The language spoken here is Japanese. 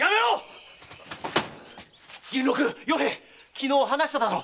昨日話しただろ？